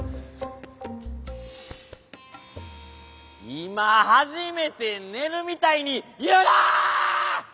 今初めて寝るみたいに言うな！